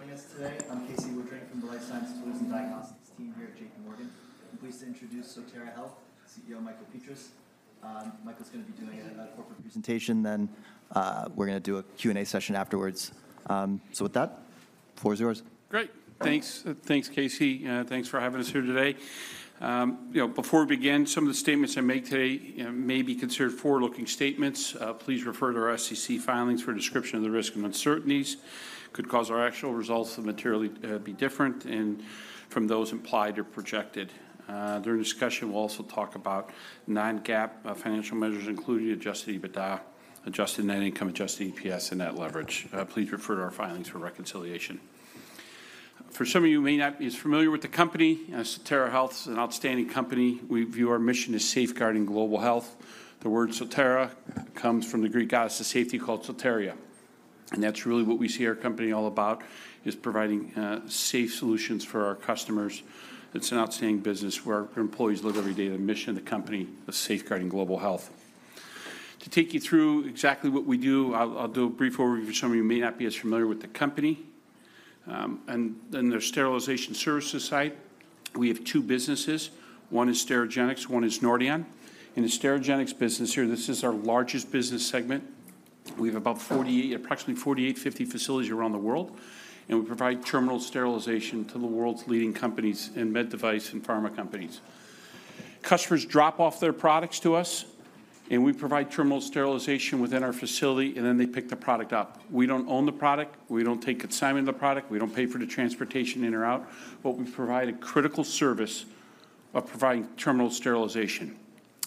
Thank you for joining us today. I'm Casey Woodring from the Life Sciences Tools and Diagnostics team here at JPMorgan. I'm pleased to introduce Sotera Health CEO, Michael Petras. Michael's gonna be doing another corporate presentation, then, we're gonna do a Q&A session afterwards. So with that, the floor is yours. Great! Thanks. Thanks, Casey, and thanks for having us here today. You know, before we begin, some of the statements I make today may be considered forward-looking statements. Please refer to our SEC filings for a description of the risk and uncertainties could cause our actual results to materially be different and from those implied or projected. During the discussion, we'll also talk about non-GAAP financial measures, including adjusted EBITDA, adjusted net income, adjusted EPS, and net leverage. Please refer to our filings for reconciliation. For some of you who may not be as familiar with the company, Sotera Health is an outstanding company. We view our mission as safeguarding global health. The word Sotera comes from the Greek goddess of safety called Soteria, and that's really what we see our company all about, is providing safe solutions for our customers. It's an outstanding business where our employees live every day the mission of the company of safeguarding global health. To take you through exactly what we do, I'll do a brief overview for some of you who may not be as familiar with the company, and their sterilization services site. We have two businesses. One is Sterigenics, one is Nordion. In the Sterigenics business here, this is our largest business segment. We have about 48 - approximately 48, 50 facilities around the world, and we provide terminal sterilization to the world's leading companies in med device and pharma companies. Customers drop off their products to us, and we provide terminal sterilization within our facility, and then they pick the product up. We don't own the product. We don't take consignment of the product. We don't pay for the transportation in or out, but we provide a critical service of providing terminal sterilization,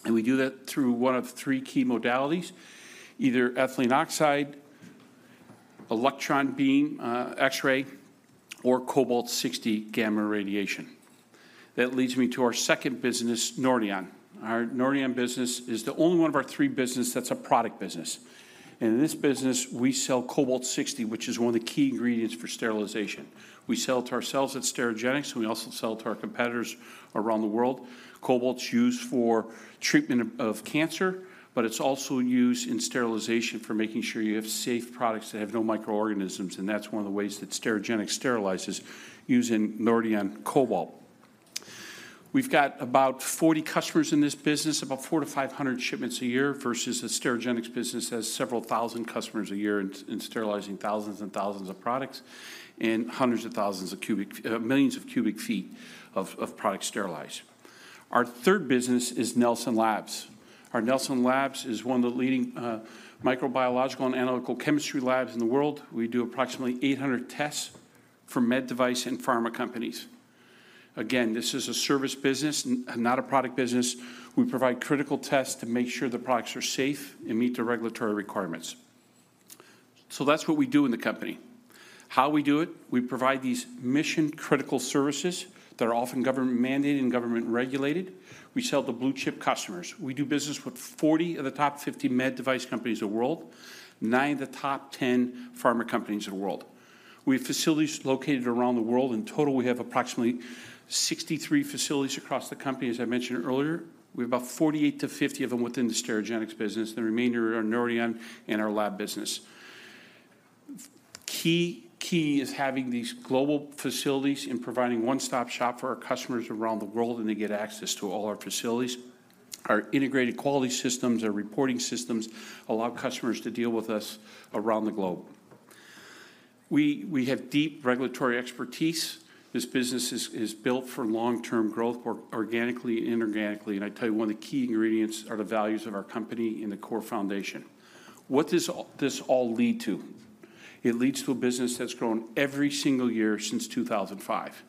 and we do that through one of three key modalities: either ethylene oxide, electron beam, X-ray, or Cobalt-60 gamma radiation. That leads me to our second business, Nordion. Our Nordion business is the only one of our three business that's a product business, and in this business, we sell Cobalt-60, which is one of the key ingredients for sterilization. We sell it to ourselves at Sterigenics, and we also sell it to our competitors around the world. Cobalt's used for treatment of cancer, but it's also used in sterilization for making sure you have safe products that have no microorganisms, and that's one of the ways that Sterigenics sterilizes using Nordion cobalt. We've got about 40 customers in this business, about 400-500 shipments a year, versus the Sterigenics business has several thousand customers a year in sterilizing thousands and thousands of products and hundreds of thousands of cubic, millions of cubic feet of products sterilized. Our third business is Nelson Labs. Our Nelson Labs is one of the leading microbiological and analytical chemistry labs in the world. We do approximately 800 tests for med device and pharma companies. Again, this is a service business and not a product business. We provide critical tests to make sure the products are safe and meet the regulatory requirements. So that's what we do in the company. How we do it? We provide these mission-critical services that are often government-mandated and government-regulated. We sell to blue-chip customers. We do business with 40 of the top 50 med device companies in the world, nine of the top 10 pharma companies in the world. We have facilities located around the world. In total, we have approximately 63 facilities across the company, as I mentioned earlier. We have about 48-50 of them within the Sterigenics business, the remainder are Nordion and our lab business. Key is having these global facilities and providing one-stop shop for our customers around the world, and they get access to all our facilities. Our integrated quality systems, our reporting systems, allow customers to deal with us around the globe. We, we have deep regulatory expertise. This business is built for long-term growth, organically and inorganically, and I tell you, one of the key ingredients are the values of our company and the core foundation. What does this all lead to? It leads to a business that's grown every single year since 2005.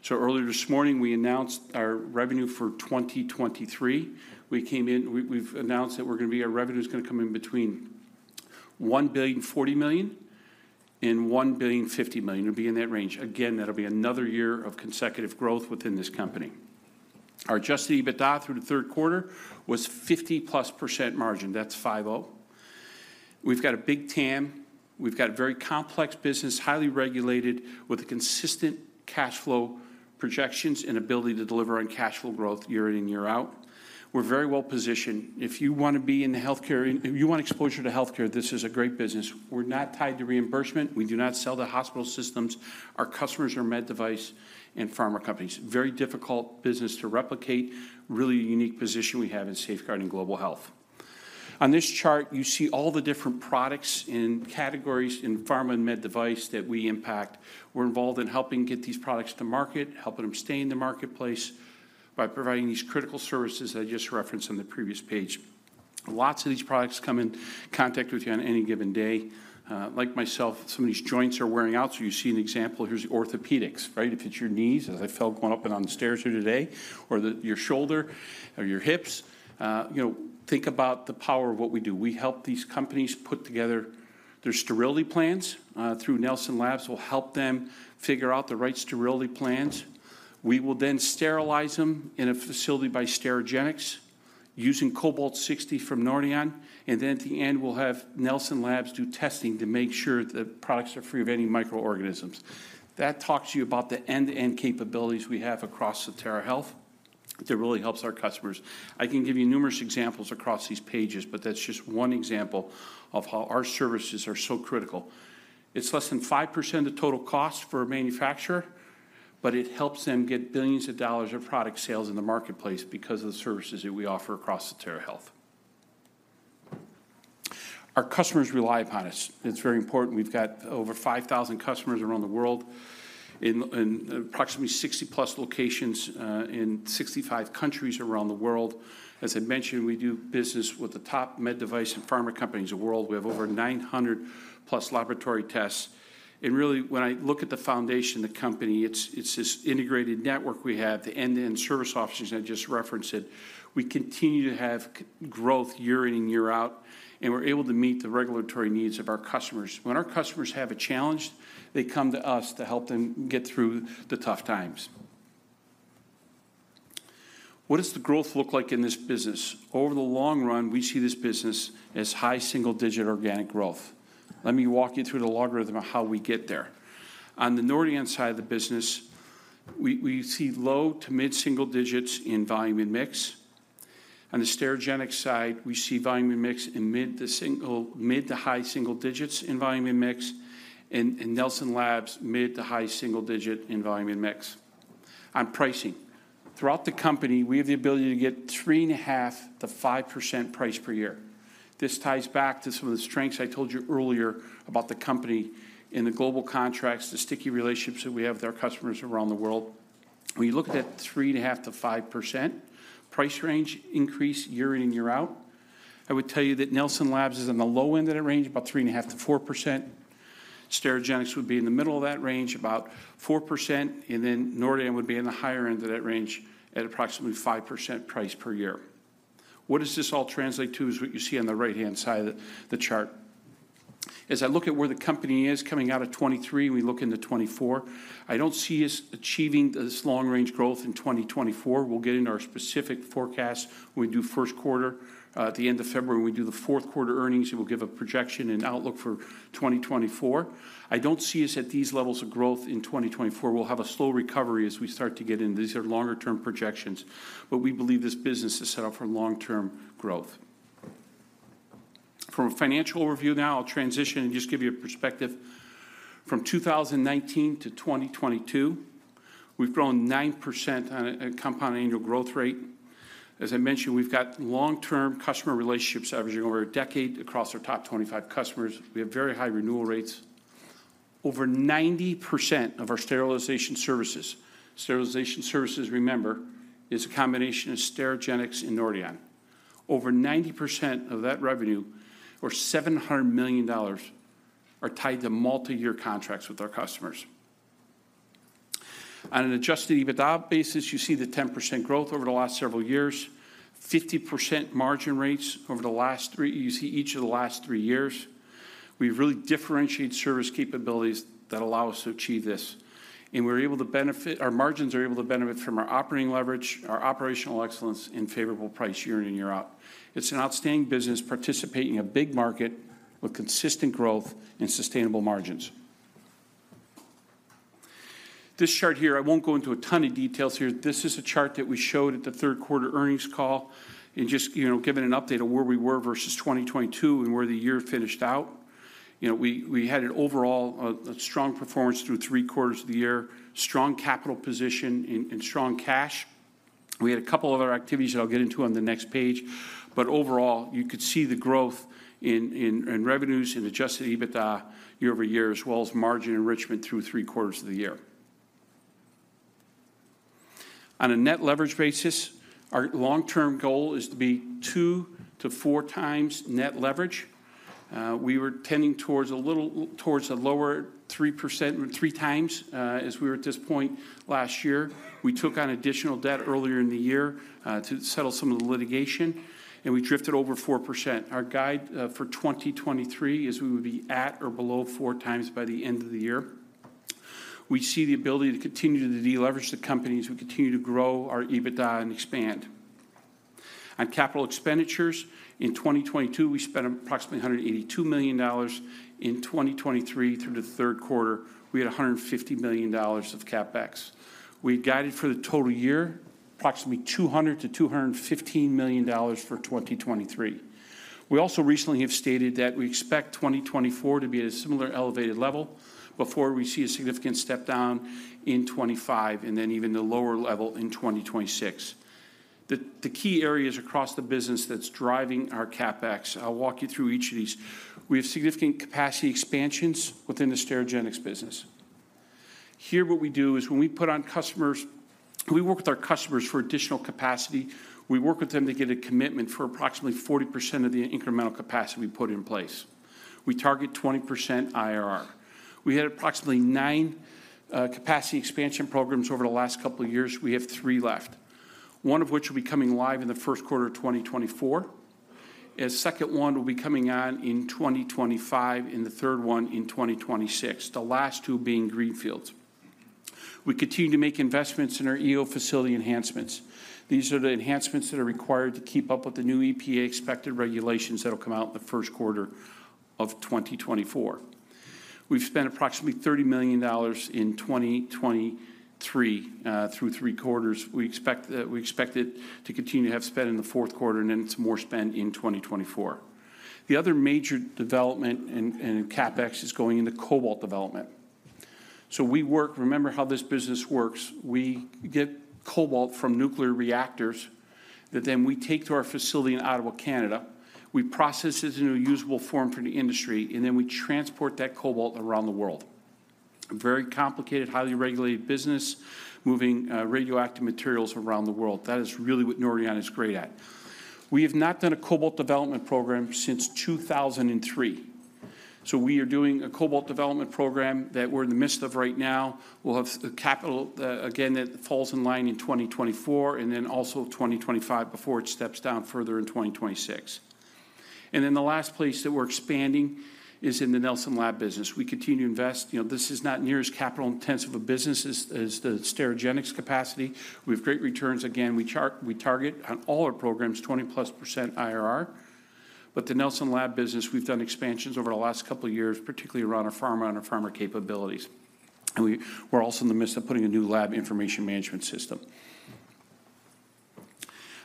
So earlier this morning, we announced our revenue for 2023. We've announced that we're gonna be—our revenue is gonna come in between $1.04 billion and $1.05 billion. It'll be in that range. Again, that'll be another year of consecutive growth within this company. Our adjusted EBITDA through the third quarter was 50%+ margin. That's 5-0. We've got a big TAM. We've got a very complex business, highly regulated, with consistent cash flow projections and ability to deliver on cash flow growth year in, year out. We're very well positioned. If you wanna be in the healthcare, if you want exposure to healthcare, this is a great business. We're not tied to reimbursement. We do not sell to hospital systems. Our customers are med device and pharma companies. Very difficult business to replicate, really unique position we have in safeguarding global health. On this chart, you see all the different products and categories in pharma and med device that we impact. We're involved in helping get these products to market, helping them stay in the marketplace by providing these critical services I just referenced on the previous page. Lots of these products come in contact with you on any given day. Like myself, some of these joints are wearing out, so you see an example. Here's orthopedics, right? If it's your knees, as I felt going up and down the stairs here today, or your shoulder or your hips, you know, think about the power of what we do. We help these companies put together their sterility plans. Through Nelson Labs, we'll help them figure out the right sterility plans. We will then sterilize them in a facility by Sterigenics using Cobalt-60 from Nordion, and then at the end, we'll have Nelson Labs do testing to make sure the products are free of any microorganisms. That talks to you about the end-to-end capabilities we have across Sotera Health... that really helps our customers. I can give you numerous examples across these pages, but that's just one example of how our services are so critical. It's less than 5% of total cost for a manufacturer, but it helps them get billions of dollars of product sales in the marketplace because of the services that we offer across the Sotera Health. Our customers rely upon us. It's very important. We've got over 5,000 customers around the world in, in approximately 60+ locations, in 65 countries around the world. As I mentioned, we do business with the top med device and pharma companies in the world. We have over 900+ laboratory tests, and really, when I look at the foundation of the company, it's, it's this integrated network we have, the end-to-end service options I just referenced it. We continue to have CAGR growth year in and year out, and we're able to meet the regulatory needs of our customers. When our customers have a challenge, they come to us to help them get through the tough times. What does the growth look like in this business? Over the long run, we see this business as high single-digit organic growth. Let me walk you through the logic of how we get there. On the Nordion side of the business, we, we see low- to mid-single digits in volume and mix. On the Sterigenics side, we see volume and mix in mid- to high-single digits in volume and mix, and, and Nelson Labs, mid- to high-single digit in volume and mix. On pricing, throughout the company, we have the ability to get 3.5%-5% price per year. This ties back to some of the strengths I told you earlier about the company in the global contracts, the sticky relationships that we have with our customers around the world. We looked at 3.5%-5% price range increase year in, year out. I would tell you that Nelson Labs is on the low end of that range, about 3.5%-4%. Sterigenics would be in the middle of that range, about 4%, and then Nordion would be in the higher end of that range at approximately 5% price per year. What does this all translate to? Is what you see on the right-hand side of the chart. As I look at where the company is coming out of 2023, we look into 2024, I don't see us achieving this long-range growth in 2024. We'll get into our specific forecast when we do first quarter. At the end of February, when we do fourth quarter earnings, it will give a projection and outlook for 2024. I don't see us at these levels of growth in 2024. We'll have a slow recovery as we start to get in. These are longer-term projections, but we believe this business is set up for long-term growth. From a financial overview now, I'll transition and just give you a perspective. From 2019 to 2022, we've grown 9% on a compound annual growth rate. As I mentioned, we've got long-term customer relationships averaging over a decade across our top 25 customers. We have very high renewal rates. Over 90% of our sterilization services, sterilization services, remember, is a combination of Sterigenics and Nordion. Over 90% of that revenue, or $700 million, are tied to multi-year contracts with our customers. On an adjusted EBITDA basis, you see the 10% growth over the last several years, 50% margin rates over the last three—you see each of the last three years. We've really differentiated service capabilities that allow us to achieve this, and we're able to benefit. Our margins are able to benefit from our operating leverage, our operational excellence, and favorable price year in, year out. It's an outstanding business, participating in a big market with consistent growth and sustainable margins. This chart here, I won't go into a ton of details here. This is a chart that we showed at the Q3 earnings call and just, you know, giving an update on where we were versus 2022 and where the year finished out. You know, we had an overall strong performance through three quarters of the year, strong capital position and strong cash. We had a couple of other activities that I'll get into on the next page, but overall, you could see the growth in revenues and adjusted EBITDA year-over-year, as well as margin enrichment through three quarters of the year. On a net leverage basis, our long-term goal is to be 2x-4x net leverage. We were tending towards a little, towards the lower 3%, 3x, as we were at this point last year. We took on additional debt earlier in the year to settle some of the litigation, and we drifted over 4%. Our guide for 2023 is we would be at or below 4x by the end of the year. We see the ability to continue to deleverage the company as we continue to grow our EBITDA and expand. On capital expenditures, in 2022, we spent approximately $182 million. In 2023, through the third quarter, we had $150 million of CapEx. We've guided for the total year, approximately $200 million to $215 million for 2023. We also recently have stated that we expect 2024 to be at a similar elevated level before we see a significant step down in 2025, and then even a lower level in 2026. The key areas across the business that's driving our CapEx, I'll walk you through each of these. We have significant capacity expansions within the Sterigenics business. Here, what we do is, when we put on customers, we work with our customers for additional capacity. We work with them to get a commitment for approximately 40% of the incremental capacity we put in place. We target 20% IRR. We had approximately nine capacity expansion programs over the last couple of years. We have three left, one of which will be coming live in the first quarter of 2024. A second one will be coming on in 2025, and the third one in 2026, the last two being greenfields. We continue to make investments in our EO facility enhancements. These are the enhancements that are required to keep up with the new EPA expected regulations that will come out in the first quarter of 2024. We've spent approximately $30 million in 2023 through three quarters. We expect, we expect it to continue to have spend in the fourth quarter, and then it's more spend in 2024. The other major development in CapEx is going into cobalt development. Remember how this business works: we get cobalt from nuclear reactors, that then we take to our facility in Ottawa, Canada. We process it into a usable form for the industry, and then we transport that cobalt around the world. A very complicated, highly regulated business, moving radioactive materials around the world. That is really what Nordion is great at. We have not done a cobalt development program since 2003. So we are doing a cobalt development program that we're in the midst of right now. We'll have the capital, again, that falls in line in 2024, and then also 2025 before it steps down further in 2026. And then the last place that we're expanding is in the Nelson Labs business. We continue to invest. You know, this is not near as capital-intensive a business as the Sterigenics capacity. We have great returns. Again, we target on all our programs, 20+% IRR. But the Nelson Labs business, we've done expansions over the last couple of years, particularly around our pharma and our pharma capabilities. We're also in the midst of putting a new lab information management system.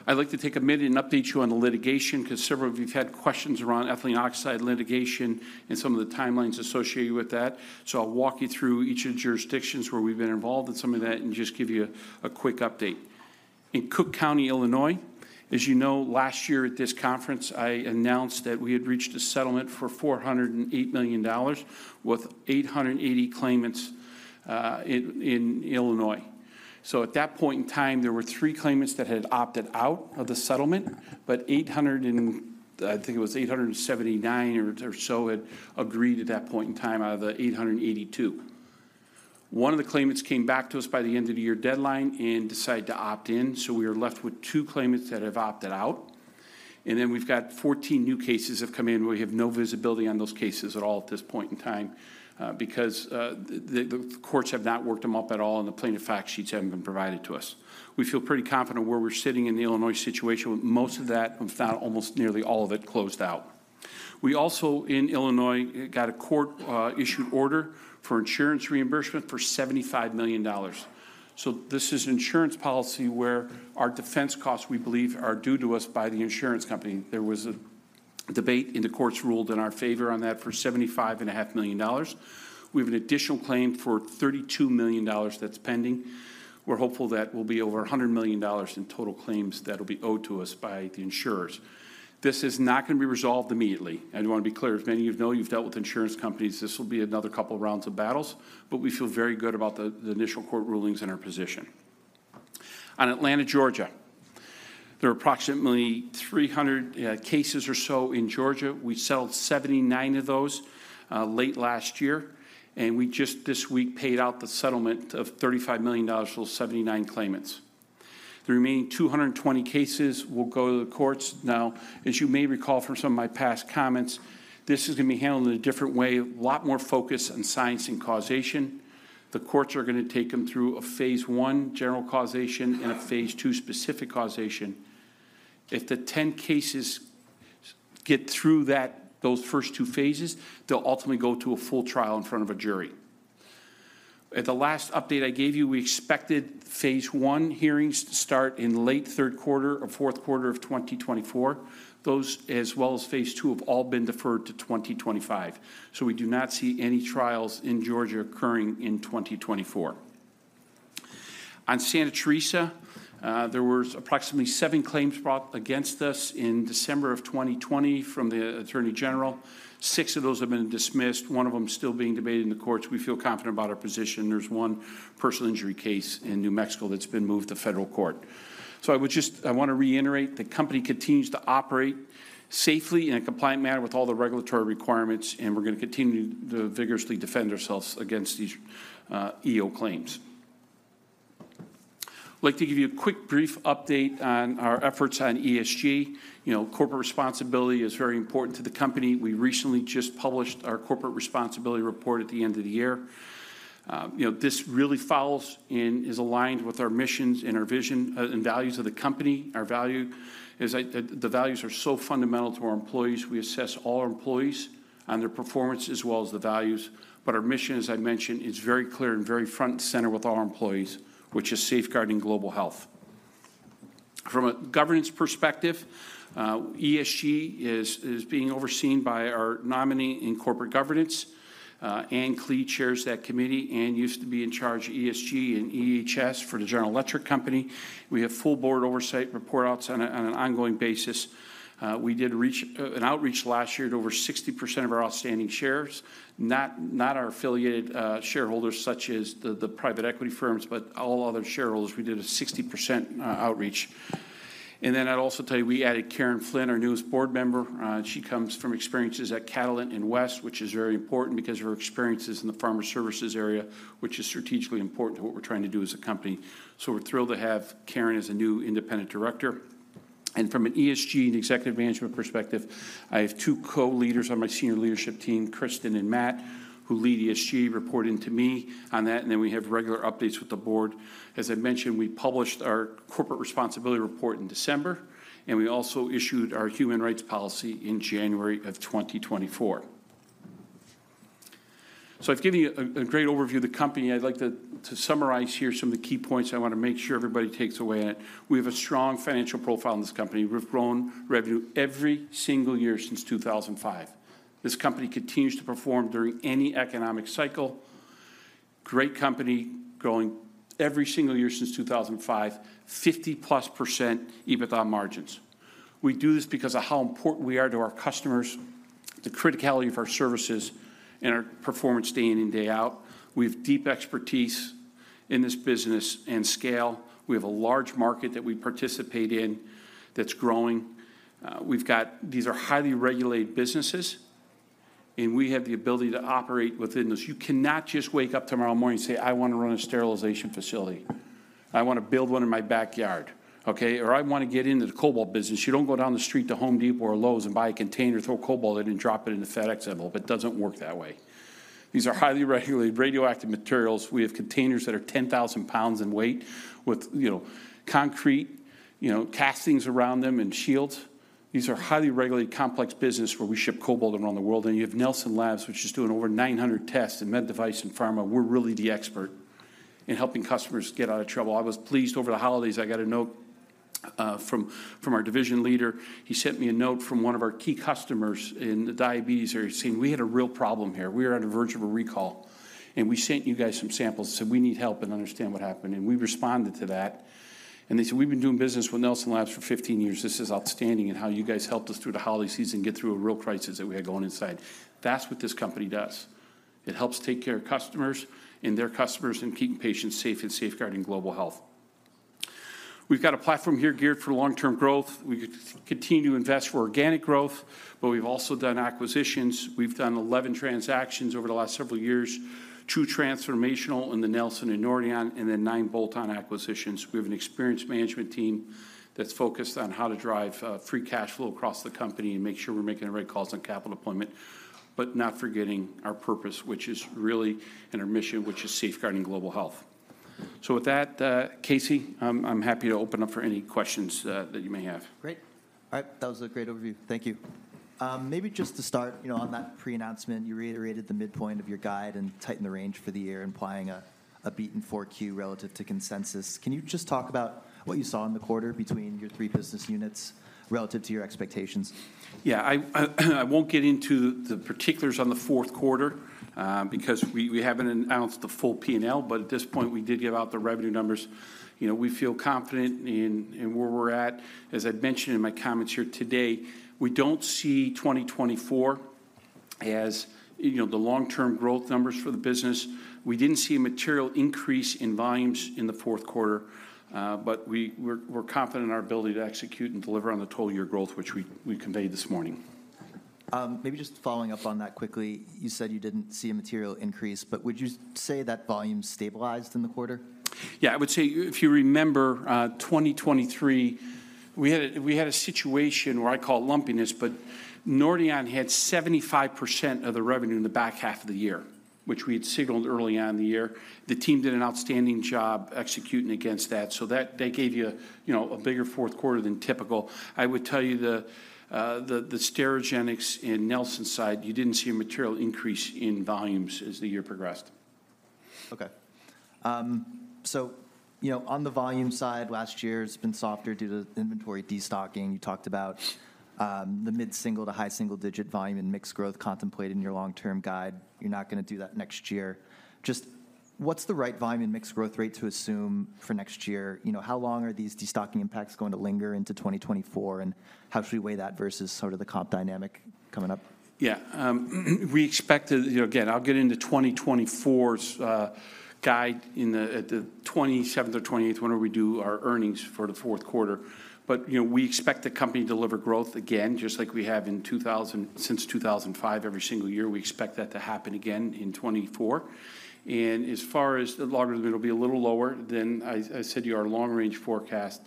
I'd like to take a minute and update you on the litigation, 'cause several of you've had questions around ethylene oxide litigation and some of the timelines associated with that. So I'll walk you through each of the jurisdictions where we've been involved in some of that and just give you a quick update. In Cook County, Illinois, as you know, last year at this conference, I announced that we had reached a settlement for $408 million with 880 claimants in Illinois. So at that point in time, there were three claimants that had opted out of the settlement, but 879 or so had agreed at that point in time out of the 882. One of the claimants came back to us by the end of the year deadline and decided to opt in, so we are left with two claimants that have opted out. And then we've got 14 new cases have come in. We have no visibility on those cases at all at this point in time, because the courts have not worked them up at all, and the plaintiff fact sheets haven't been provided to us. We feel pretty confident where we're sitting in the Illinois situation, with most of that, if not almost nearly all of it, closed out. We also, in Illinois, got a court issued order for insurance reimbursement for $75 million. So this is an insurance policy where our defense costs, we believe, are due to us by the insurance company. There was a debate, and the courts ruled in our favor on that for $75.5 million. We have an additional claim for $32 million that's pending. We're hopeful that will be over $100 million in total claims that will be owed to us by the insurers. This is not gonna be resolved immediately. I just wanna be clear, as many of you know, you've dealt with insurance companies. This will be another couple of rounds of battles, but we feel very good about the, the initial court rulings and our position. On Atlanta, Georgia, there are approximately 300 cases or so in Georgia. We settled 79 of those late last year, and we just this week paid out the settlement of $35 million to those 79 claimants. The remaining 220 cases will go to the courts. Now, as you may recall from some of my past comments, this is gonna be handled in a different way, a lot more focus on science and causation. The courts are gonna take them through a phase I, general causation, and a phase II, specific causation. If the 10 cases get through that, those first two phases, they'll ultimately go to a full trial in front of a jury. At the last update I gave you, we expected phase I hearings to start in late third quarter or fourth quarter of 2024. Those, as well as phase II, have all been deferred to 2025. So we do not see any trials in Georgia occurring in 2024. On Santa Teresa, there was approximately seven claims brought against us in December of 2020 from the Attorney General. Six of those have been dismissed, one of them still being debated in the courts. We feel confident about our position. There's one personal injury case in New Mexico that's been moved to federal court. I would just, I wanna reiterate, the company continues to operate safely in a compliant manner with all the regulatory requirements, and we're gonna continue to vigorously defend ourselves against these EO claims. I'd like to give you a quick, brief update on our efforts on ESG. You know, corporate responsibility is very important to the company. We recently just published our corporate responsibility report at the end of the year. You know, this really follows and is aligned with our missions and our vision, and values of the company. Our value is, the values are so fundamental to our employees. We assess all our employees on their performance as well as the values. But our mission, as I mentioned, is very clear and very front and center with all our employees, which is safeguarding global health. From a governance perspective, ESG is being overseen by our Nominating and Corporate Governance. Anne Klee chairs that committee. Anne used to be in charge of ESG and EHS for the General Electric Company. We have full board oversight, report outs on an ongoing basis. We did reach an outreach last year to over 60% of our outstanding shares, not our affiliated shareholders, such as the private equity firms, but all other shareholders. We did a 60% outreach. And then I'd also tell you, we added Karen Flynn, our newest board member. She comes from experiences at Catalent and West, which is very important because of her experiences in the pharma services area, which is strategically important to what we're trying to do as a company. So we're thrilled to have Karen as a new independent director. And from an ESG and executive management perspective, I have two co-leaders on my senior leadership team, Kristin and Matt, who lead ESG, reporting to me on that, and then we have regular updates with the board. As I mentioned, we published our corporate responsibility report in December, and we also issued our human rights policy in January of 2024. So I've given you a great overview of the company. I'd like to summarize here some of the key points I wanna make sure everybody takes away in it. We have a strong financial profile in this company. We've grown revenue every single year since 2005. This company continues to perform during any economic cycle. Great company, growing every single year since 2005, 50%+ EBITDA margins. We do this because of how important we are to our customers, the criticality of our services, and our performance day in and day out. We have deep expertise in this business and scale. We have a large market that we participate in that's growing. These are highly regulated businesses, and we have the ability to operate within this. You cannot just wake up tomorrow morning and say, I wanna run a sterilization facility. I wanna build one in my backyard, okay? Or I wanna get into the cobalt business. You don't go down the street to Home Depot or Lowe's and buy a container, throw cobalt in, and drop it in a FedEx envelope. It doesn't work that way. These are highly regulated, radioactive materials. We have containers that are 10,000 pounds in weight with, you know, concrete, you know, castings around them and shields. These are highly regulated, complex business where we ship cobalt around the world. And you have Nelson Labs, which is doing over 900 tests in med device and pharma. We're really the expert in helping customers get out of trouble. I was pleased over the holidays, I got a note from our division leader. He sent me a note from one of our key customers in the diabetes area, saying we had a real problem here. We were on the verge of a recall, and we sent you guys some samples. Said we need help and understand what happened. And we responded to that, and they said, we've been doing business with Nelson Labs for 15 years. This is outstanding in how you guys helped us through the holiday season, get through a real crisis that we had going inside. That's what this company does. It helps take care of customers and their customers, and keeping patients safe and safeguarding global health. We've got a platform here geared for long-term growth. We continue to invest for organic growth, but we've also done acquisitions. We've done 11 transactions over the last several years, two transformational in the Nelson and Nordion, and then nine bolt-on acquisitions. We have an experienced management team that's focused on how to drive free cash flow across the company and make sure we're making the right calls on capital deployment, but not forgetting our purpose, which is really in our mission, which is safeguarding global health. So with that, Casey, I'm happy to open up for any questions that you may have. Great. All right, that was a great overview. Thank you. Maybe just to start, you know, on that pre-announcement, you reiterated the midpoint of your guide and tightened the range for the year, implying a beat in 4Q relative to consensus. Can you just talk about what you saw in the quarter between your three business units relative to your expectations? Yeah, I won't get into the particulars on the fourth quarter, because we haven't announced the full P&L, but at this point, we did give out the revenue numbers. You know, we feel confident in where we're at. As I've mentioned in my comments here today, we don't see 2024 as, you know, the long-term growth numbers for the business. We didn't see a material increase in volumes in the fourth quarter, but we're confident in our ability to execute and deliver on the total year growth, which we conveyed this morning. Maybe just following up on that quickly, you said you didn't see a material increase, but would you say that volume stabilized in the quarter? Yeah, I would say, if you remember, 2023, we had a, we had a situation where I call it lumpiness, but Nordion had 75% of the revenue in the back half of the year, which we had signaled early on in the year. The team did an outstanding job executing against that, so that they gave you, you know, a bigger fourth quarter than typical. I would tell you, the, the, the Sterigenics and Nelson side, you didn't see a material increase in volumes as the year progressed. Okay. So, you know, on the volume side, last year has been softer due to inventory destocking. You talked about the mid-single to high single-digit volume and mixed growth contemplated in your long-term guide. You're not gonna do that next year. Just what's the right volume and mixed growth rate to assume for next year? You know, how long are these destocking impacts going to linger into 2024, and how should we weigh that versus sort of the comp dynamic coming up? Yeah, we expect to... You know, again, I'll get into 2024's guide at the 27th or 28th when we do our earnings for the fourth quarter. But, you know, we expect the company to deliver growth again, just like we have since 2005, every single year. We expect that to happen again in 2024. And as far as the long-term, it'll be a little lower than I said to you, our long-range forecast,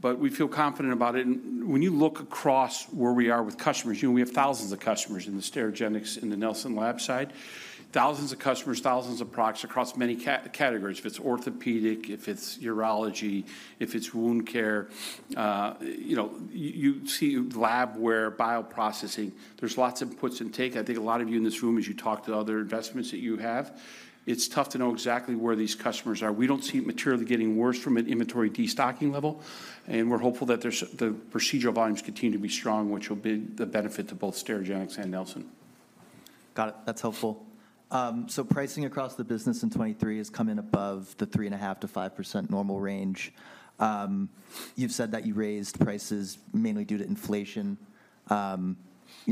but we feel confident about it. And when you look across where we are with customers, you know, we have thousands of customers in the Sterigenics, in the Nelson Labs side. Thousands of customers, thousands of products across many categories. If it's orthopedic, if it's urology, if it's wound care, you know, you see labware, bioprocessing. There's lots of puts and take. I think a lot of you in this room, as you talk to other investments that you have, it's tough to know exactly where these customers are. We don't see it materially getting worse from an inventory destocking level, and we're hopeful that the procedural volumes continue to be strong, which will be the benefit to both Sterigenics and Nelson. Got it. That's helpful. So pricing across the business in 2023 has come in above the 3.5%-5% normal range. You've said that you raised prices mainly due to inflation. You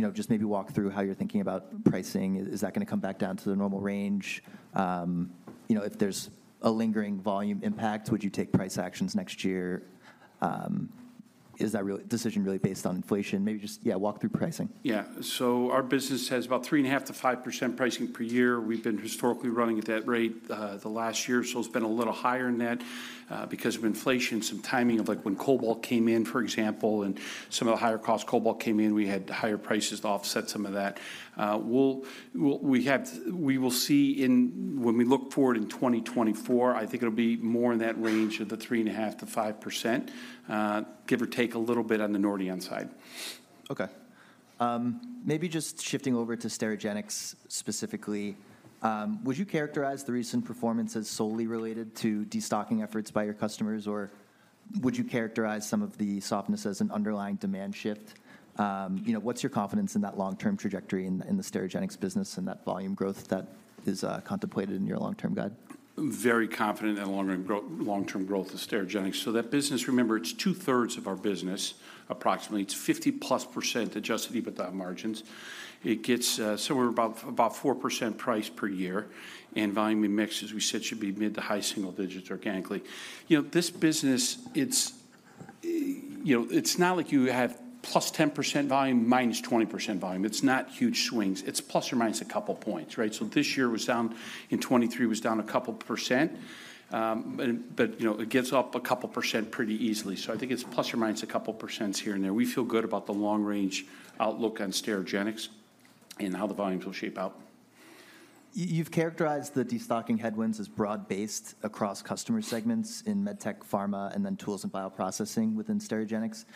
know, just maybe walk through how you're thinking about pricing. Is that gonna come back down to the normal range? You know, if there's a lingering volume impact, would you take price actions next year? Is that decision really based on inflation? Maybe just, yeah, walk through pricing. Yeah. So our business has about 3.5%-5% pricing per year. We've been historically running at that rate, the last year, so it's been a little higher than that, because of inflation. Some timing of, like, when cobalt came in, for example, and some of the higher cost cobalt came in, we had higher prices to offset some of that. We'll see when we look forward in 2024, I think it'll be more in that range of the 3.5%-5%, give or take a little bit on the Nordion side. Okay. Maybe just shifting over to Sterigenics specifically. Would you characterize the recent performance as solely related to destocking efforts by your customers, or would you characterize some of the softness as an underlying demand shift? You know, what's your confidence in that long-term trajectory in the Sterigenics business and that volume growth that is contemplated in your long-term guide? Very confident in the long-term growth of Sterigenics. So that business, remember, it's 2/3 of our business, approximately. It's 50+% adjusted EBITDA margins. It gets, so we're about, about 4% price per year, and volume and mix, as we said, should be mid- to high-single digits organically. You know, this business, it's, you know, it's not like you have +10% volume, -20% volume. It's not huge swings. It's plus or minus a couple points, right? So this year was down, and 2023 was down a couple percent. But, you know, it gives up a couple percent pretty easily. So I think it's plus or minus a couple percent here and there. We feel good about the long-range outlook on Sterigenics and how the volumes will shape out. You've characterized the destocking headwinds as broad-based across customer segments in med tech, pharma, and then tools and bioprocessing within Sterigenics.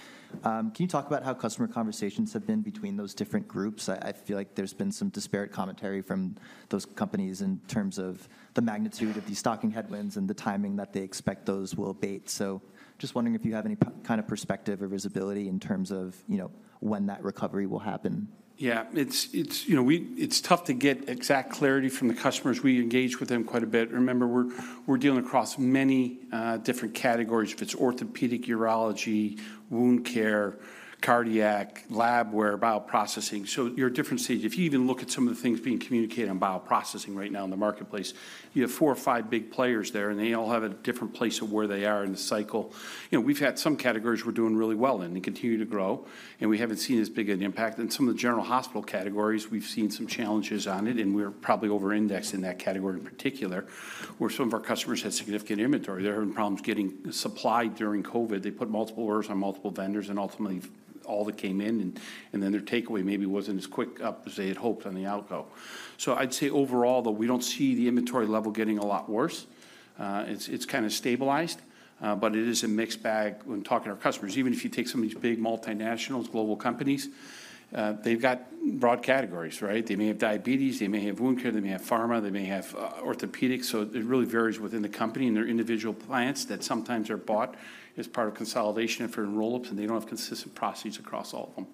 Can you talk about how customer conversations have been between those different groups? I feel like there's been some disparate commentary from those companies in terms of the magnitude of destocking headwinds and the timing that they expect those will abate. So just wondering if you have any kind of perspective or visibility in terms of, you know, when that recovery will happen. Yeah, it's, you know, it's tough to get exact clarity from the customers. We engage with them quite a bit. Remember, we're dealing across many different categories, if it's orthopedic, urology, wound care, cardiac, labware, bioprocessing. So you're at different stages. If you even look at some of the things being communicated on bioprocessing right now in the marketplace, you have four or five big players there, and they all have a different place of where they are in the cycle. You know, we've had some categories we're doing really well in and continue to grow, and we haven't seen as big an impact. In some of the general hospital categories, we've seen some challenges on it, and we're probably over indexed in that category in particular, where some of our customers had significant inventory. They're having problems getting supply during COVID. They put multiple orders on multiple vendors, and ultimately, all that came in, and then their takeaway maybe wasn't as quick up as they had hoped on the outgo. So I'd say overall, though, we don't see the inventory level getting a lot worse. It's kinda stabilized, but it is a mixed bag when talking to our customers. Even if you take some of these big multinationals, global companies, they've got broad categories, right? They may have diabetes, they may have wound care, they may have pharma, they may have orthopedics. So it really varies within the company and their individual clients that sometimes are bought as part of consolidation for enrollups, and they don't have consistent processes across all of them.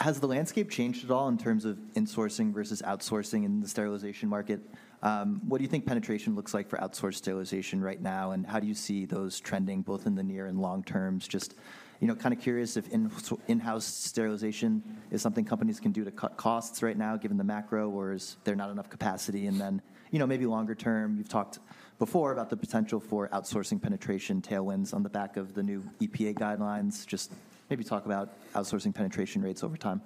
Has the landscape changed at all in terms of insourcing versus outsourcing in the sterilization market? What do you think penetration looks like for outsourced sterilization right now, and how do you see those trending, both in the near and long terms? Just, you know, kinda curious if in-house sterilization is something companies can do to cut costs right now, given the macro, or is there not enough capacity? And then, you know, maybe longer term, you've talked before about the potential for outsourcing penetration tailwinds on the back of the new EPA guidelines. Just maybe talk about outsourcing penetration rates over time.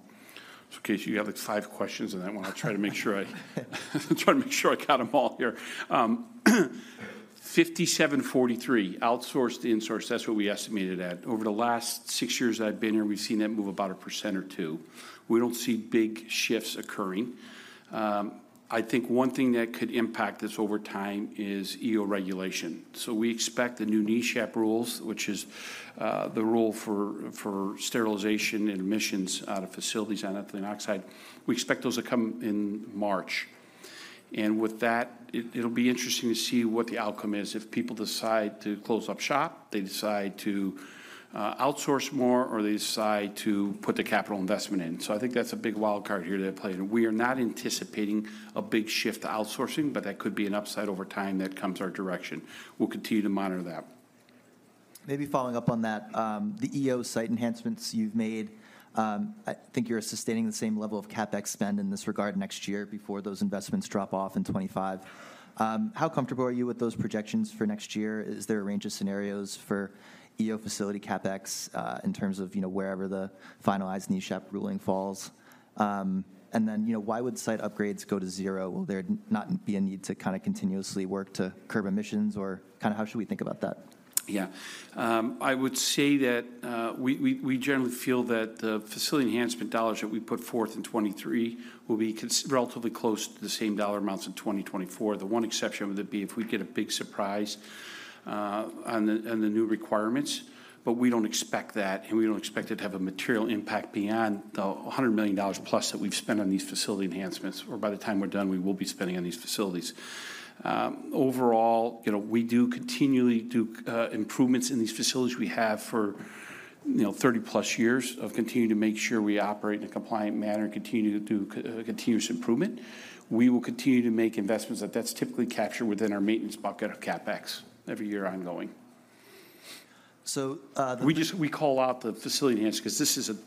So, Casey, you have, like, five questions in that one. I'll try to make sure I got them all here. 57/43, outsourced to insourced, that's what we estimated at. Over the last six years I've been here, we've seen that move about 1% or 2%. We don't see big shifts occurring. I think one thing that could impact this over time is EO regulation. So we expect the new NESHAP rules, which is the rule for sterilization and emissions out of facilities on ethylene oxide, we expect those to come in March. And with that, it'll be interesting to see what the outcome is. If people decide to close up shop, they decide to outsource more, or they decide to put the capital investment in. I think that's a big wild card here to play, and we are not anticipating a big shift to outsourcing, but that could be an upside over time that comes our direction. We'll continue to monitor that. Maybe following up on that, the EO site enhancements you've made, I think you're sustaining the same level of CapEx spend in this regard next year before those investments drop off in 2025. How comfortable are you with those projections for next year? Is there a range of scenarios for EO facility CapEx, in terms of, you know, wherever the finalized NESHAP ruling falls? And then, you know, why would site upgrades go to zero? Will there not be a need to kinda continuously work to curb emissions, or kinda how should we think about that? Yeah. I would say that we generally feel that the facility enhancement dollars that we put forth in 2023 will be relatively close to the same dollar amounts in 2024. The one exception would be if we get a big surprise on the new requirements, but we don't expect that, and we don't expect it to have a material impact beyond the $100 million+ that we've spent on these facility enhancements, or by the time we're done, we will be spending on these facilities. Overall, you know, we do continually do improvements in these facilities we have for 30+ years of continuing to make sure we operate in a compliant manner and continue to do continuous improvement. We will continue to make investments, but that's typically captured within our maintenance bucket of CapEx every year ongoing. So, uh- We call out the facility enhancement 'cause this is an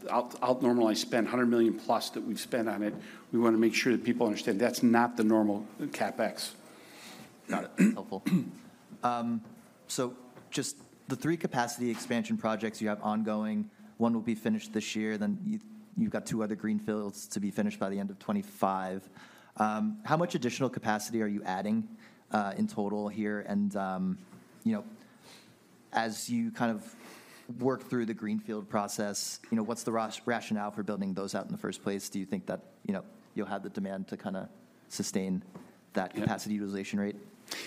abnormally spent $100 million+ that we've spent on it. We wanna make sure that people understand that's not the normal CapEx. Got it. Helpful. So just the three capacity expansion projects you have ongoing, one will be finished this year, then you, you've got two other greenfields to be finished by the end of 2025. How much additional capacity are you adding, in total here? And, you know, as you kind of work through the greenfield process, you know, what's the rationale for building those out in the first place? Do you think that, you know, you'll have the demand to kinda sustain that capacity utilization rate?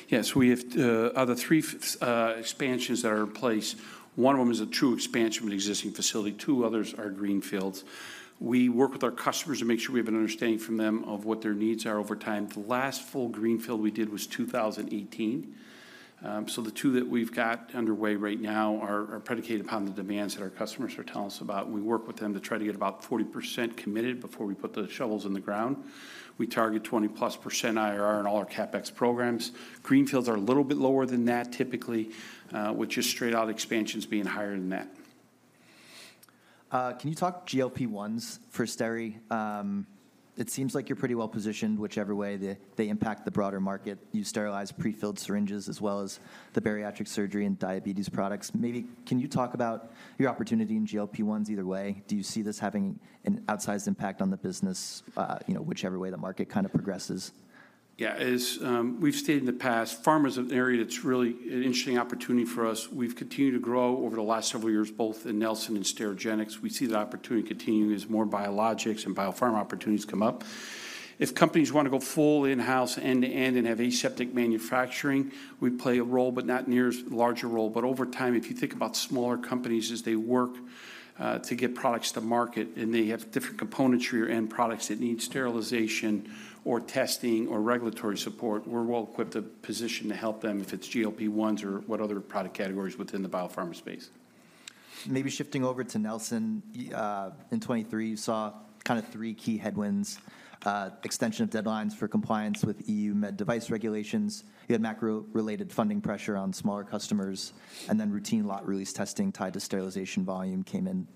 Yes, we have, of the three expansions that are in place, one of them is a true expansion of an existing facility, two others are greenfields. We work with our customers to make sure we have an understanding from them of what their needs are over time. The last full greenfield we did was 2018. So the two that we've got underway right now are predicated upon the demands that our customers are telling us about. We work with them to try to get about 40% committed before we put the shovels in the ground. We target 20%+ IRR on all our CapEx programs. Greenfields are a little bit lower than that, typically, with just straight-out expansions being higher than that. Can you talk GLP-1s for Steri? It seems like you're pretty well positioned whichever way they, they impact the broader market. You sterilize pre-filled syringes as well as the bariatric surgery and diabetes products. Maybe can you talk about your opportunity in GLP-1s either way? Do you see this having an outsized impact on the business, you know, whichever way the market kind of progresses? Yeah. As we've stated in the past, pharma's an area that's really an interesting opportunity for us. We've continued to grow over the last several years, both in Nelson and Sterigenics. We see the opportunity continuing as more biologics and biopharma opportunities come up. If companies want to go full in-house, end-to-end, and have aseptic manufacturing, we play a role, but not near as large a role. But over time, if you think about smaller companies as they work to get products to market, and they have different components for your end products that need sterilization or testing or regulatory support, we're well-equipped to position to help them if it's GLP-1s or what other product categories within the biopharma space. Maybe shifting over to Nelson. In 2023, you saw kind of three key headwinds: extension of deadlines for compliance with EU med device regulations; you had macro-related funding pressure on smaller customers; and then routine lot release testing tied to sterilization volume came in,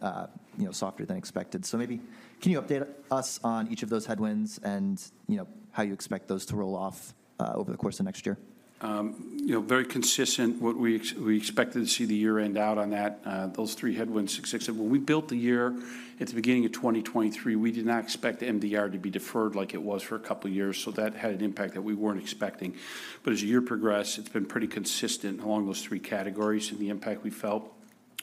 you know, softer than expected. So maybe can you update us on each of those headwinds and, you know, how you expect those to roll off over the course of next year? You know, very consistent what we expected to see the year end out on that. Those three headwinds. When we built the year at the beginning of 2023, we did not expect the MDR to be deferred like it was for a couple of years, so that had an impact that we weren't expecting. But as the year progressed, it's been pretty consistent along those three categories and the impact we felt.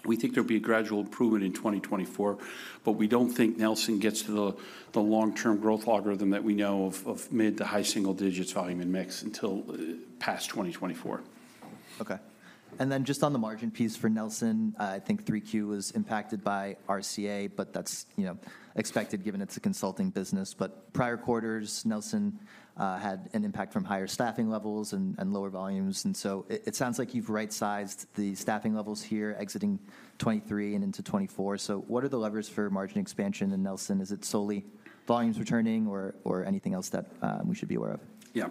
We think there'll be a gradual improvement in 2024, but we don't think Nelson gets to the long-term growth algorithm that we know of, of mid- to high-single-digits volume in mix until past 2024. Okay. And then just on the margin piece for Nelson, I think Q3 was impacted by RCA, but that's, you know, expected, given it's a consulting business. But prior quarters, Nelson, had an impact from higher staffing levels and, and lower volumes, and so it, it sounds like you've right-sized the staffing levels here, exiting 2023 and into 2024. So what are the levers for margin expansion in Nelson? Is it solely volumes returning or, or anything else that, we should be aware of? Yeah.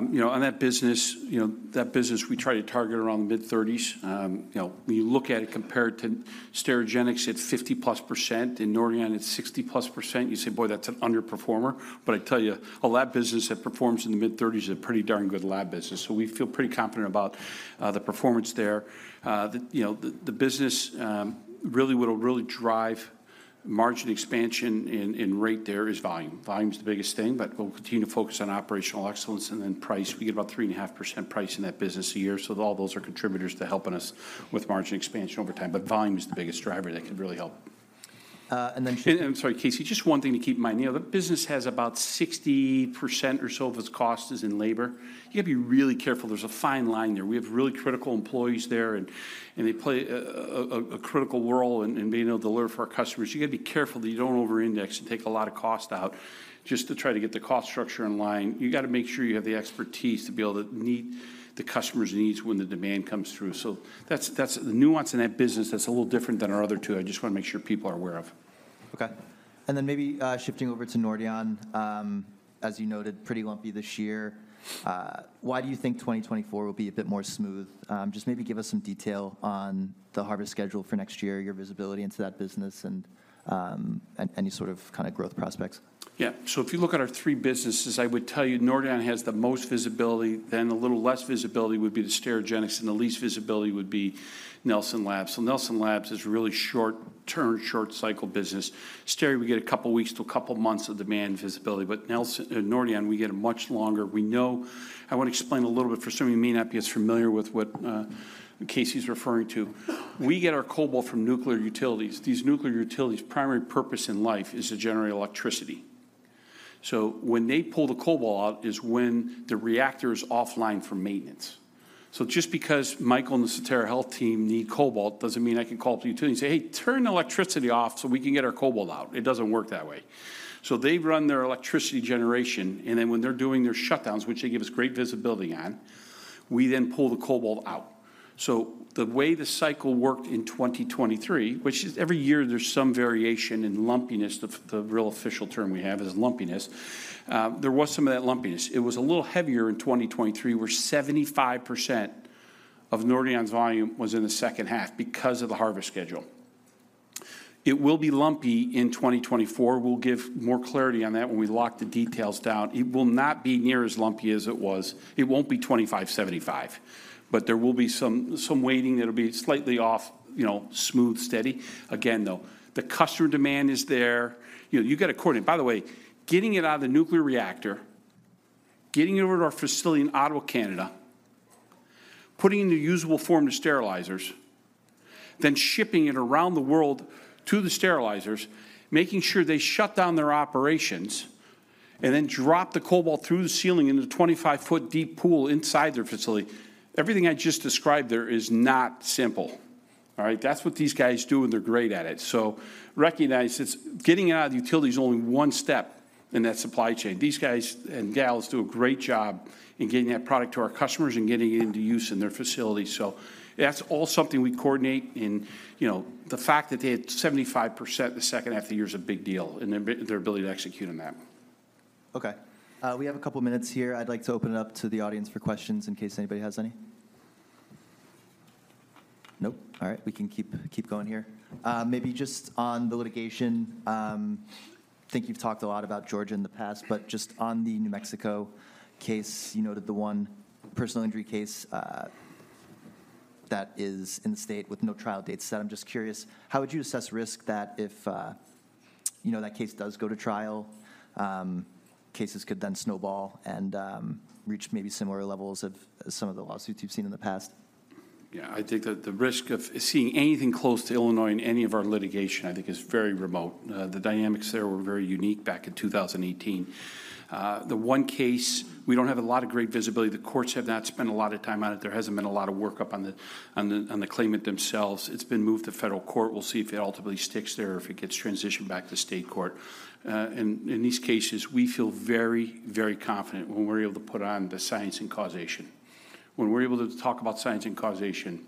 You know, on that business, you know, that business we try to target around the mid-30s. You know, when you look at it compared to Sterigenics at 50+%, in Nordion, it's 60+%, you say, boy, that's an underperformer. But I tell you, a lab business that performs in the mid-30s is a pretty darn good lab business. So we feel pretty confident about the performance there. You know, the business, what will really drive margin expansion in rate there is volume. Volume is the biggest thing, but we'll continue to focus on operational excellence and then price. We get about 3.5% price in that business a year, so all those are contributors to helping us with margin expansion over time, but volume is the biggest driver that could really help. And then- I'm sorry, Casey, just one thing to keep in mind. You know, the business has about 60% or so of its cost is in labor. You got to be really careful. There's a fine line there. We have really critical employees there, and they play a critical role in being able to deliver for our customers. You got to be careful that you don't over-index and take a lot of cost out just to try to get the cost structure in line. You got to make sure you have the expertise to be able to meet the customer's needs when the demand comes through. So that's the nuance in that business that's a little different than our other two. I just want to make sure people are aware of. Okay. And then maybe, shifting over to Nordion. As you noted, pretty lumpy this year. Why do you think 2024 will be a bit more smooth? Just maybe give us some detail on the harvest schedule for next year, your visibility into that business, and, any sort of kind of growth prospects. Yeah. So if you look at our three businesses, I would tell you Nordion has the most visibility, then a little less visibility would be the Sterigenics, and the least visibility would be Nelson Labs. So Nelson Labs is a really short-term, short-cycle business. Steri, we get a couple of weeks to a couple of months of demand visibility, but Nelson, Nordion, we get a much longer. We know... I want to explain a little bit for some of you who may not be as familiar with what Casey's referring to. We get our cobalt from nuclear utilities. These nuclear utilities' primary purpose in life is to generate electricity. So when they pull the cobalt out is when the reactor is offline for maintenance. So just because Michael and the Sotera Health team need cobalt, doesn't mean I can call up the utility and say, hey, turn the electricity off so we can get our cobalt out. It doesn't work that way. So they run their electricity generation, and then when they're doing their shutdowns, which they give us great visibility on, we then pull the cobalt out. So the way the cycle worked in 2023, which is every year there's some variation in lumpiness, the real official term we have is lumpiness, there was some of that lumpiness. It was a little heavier in 2023, where 75% of Nordion's volume was in the second half because of the harvest schedule. It will be lumpy in 2024. We'll give more clarity on that when we lock the details down. It will not be near as lumpy as it was. It won't be 25/75, but there will be some, some weighting that'll be slightly off, you know, smooth, steady. Again, though, the customer demand is there. You know, you've got to coordinate. By the way, getting it out of the nuclear reactor, getting it over to our facility in Ottawa, Canada, putting it in the usable form to sterilizers, then shipping it around the world to the sterilizers, making sure they shut down their operations, and then drop the cobalt through the ceiling into the 25-foot deep pool inside their facility. Everything I just described there is not simple, all right? That's what these guys do, and they're great at it. So recognize it's getting it out of the utility is only one step in that supply chain. These guys and gals do a great job in getting that product to our customers and getting it into use in their facilities. So that's all something we coordinate, and, you know, the fact that they had 75% the second half of the year is a big deal in their ability to execute on that. Okay. We have a couple minutes here. I'd like to open it up to the audience for questions in case anybody has any. Nope? All right, we can keep, keep going here. Maybe just on the litigation, I think you've talked a lot about Georgia in the past, but just on the New Mexico case, you noted the one personal injury case that is in the state with no trial date set. I'm just curious, how would you assess risk that if, you know, that case does go to trial, cases could then snowball and reach maybe similar levels of some of the lawsuits you've seen in the past? Yeah, I think that the risk of seeing anything close to Illinois in any of our litigation, I think is very remote. The dynamics there were very unique back in 2018. The one case, we don't have a lot of great visibility. The courts have not spent a lot of time on it. There hasn't been a lot of workup on the claimant themselves. It's been moved to federal court. We'll see if it ultimately sticks there or if it gets transitioned back to state court. And in these cases, we feel very, very confident when we're able to put on the science and causation. When we're able to talk about science and causation,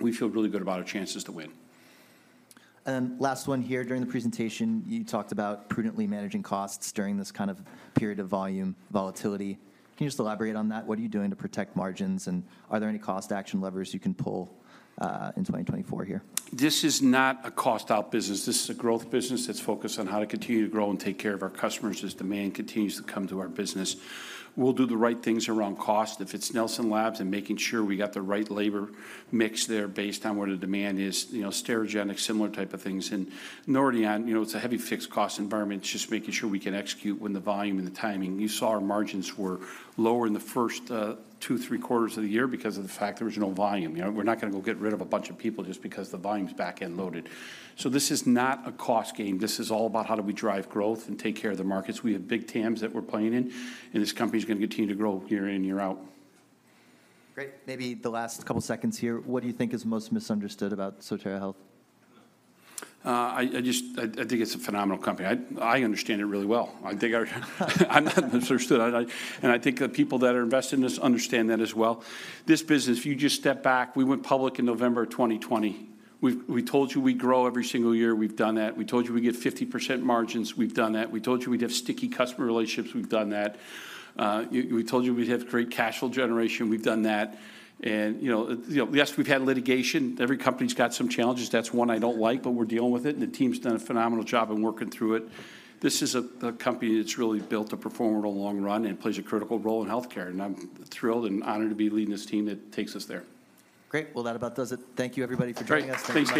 we feel really good about our chances to win. Then last one here. During the presentation, you talked about prudently managing costs during this kind of period of volume volatility. Can you just elaborate on that? What are you doing to protect margins, and are there any cost action levers you can pull in 2024 here? This is not a cost-out business. This is a growth business that's focused on how to continue to grow and take care of our customers as demand continues to come to our business. We'll do the right things around cost. If it's Nelson Labs and making sure we got the right labor mix there based on where the demand is, you know, Sterigenics, similar type of things. And Nordion, you know, it's a heavy fixed cost environment, it's just making sure we can execute when the volume and the timing. You saw our margins were lower in the first two, three quarters of the year because of the fact there was no volume. You know, we're not gonna go get rid of a bunch of people just because the volume's back-end loaded. So this is not a cost game. This is all about how do we drive growth and take care of the markets? We have big TAMs that we're playing in, and this company's gonna continue to grow year in, year out. Great. Maybe the last couple seconds here, what do you think is most misunderstood about Sotera Health? I just think it's a phenomenal company. I understand it really well. I think I'm not misunderstood. And I think the people that are invested in this understand that as well. This business, if you just step back, we went public in November of 2020. We told you we'd grow every single year. We've done that. We told you we'd get 50% margins. We've done that. We told you we'd have sticky customer relationships. We've done that. We told you we'd have great cash flow generation. We've done that. You know, yes, we've had litigation. Every company's got some challenges. That's one I don't like, but we're dealing with it, and the team's done a phenomenal job in working through it. This is a company that's really built to perform in the long run and plays a critical role in healthcare, and I'm thrilled and honored to be leading this team that takes us there. Great. Well, that about does it. Thank you, everybody, for joining us. Great. Thanks.